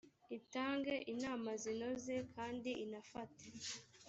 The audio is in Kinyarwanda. itange inama zinoze kandi inafate